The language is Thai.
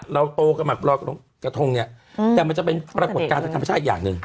เราโตกันแบบรอยกระทงเนี่ยแต่มันจะเป็นปรากฏการณ์ทางธรรมชาติอีกอย่างหนึ่ง